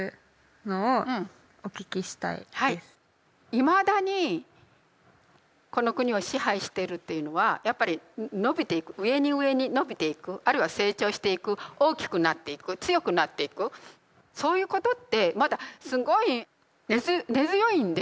いまだにこの国を支配しているというのはやっぱり伸びていく上に上に伸びていくあるいは成長していく大きくなっていく強くなっていくそういうことってまだすごい根強いんですよ。